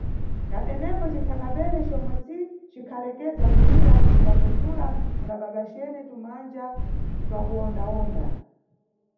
Na tenepo, citsakabere, comwe si cikhalekeza kulira, cicimbafuthula kuna babacene tu manja twakuwonda-wonda.